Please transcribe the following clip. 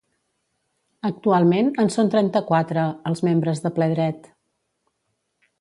Actualment en són trenta-quatre, els membres de ple dret.